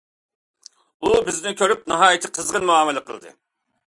ئۇ بىزنى كۆرۈپ ناھايىتى قىزغىن مۇئامىلە قىلدى.